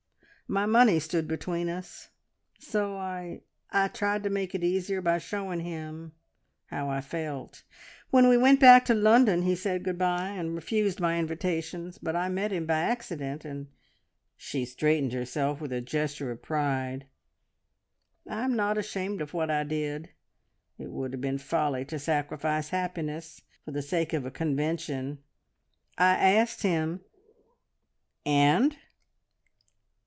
My money stood between us. So I ... I tried to make it easier by showing him ... how I felt. When we went back to London he said good bye, and refused my invitations, but I met him by accident, and," she straightened herself with a gesture of pride, "I am not ashamed of what I did. It would have been folly to sacrifice happiness for the sake of a convention ... I asked him " "And?"